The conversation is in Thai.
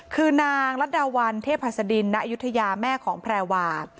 คือนางรัฐดาวันเทพหัสดินณอายุทยาแม่ของแพรวา